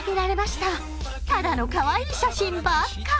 ただのかわいい写真ばっか。